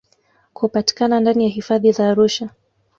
kupatikana ndani ya hifadhi za Arusha